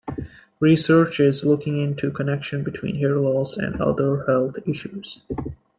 Research is looking into connections between hair loss and other health issues.